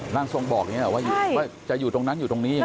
ร่างทรงบอกอย่างนี้ว่าจะอยู่ตรงนั้นอยู่ตรงนี้